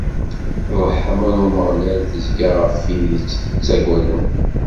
Ṛṛeḥma n Umeɣlal tezga ɣef wid i t-ittaggaden.